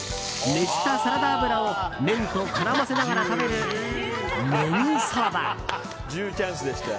熱したサラダ油を麺と絡ませながら食べるネギそば。